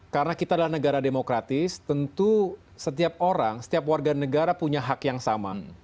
karena kita adalah negara demokratis tentu setiap orang setiap warga negara punya hak yang sama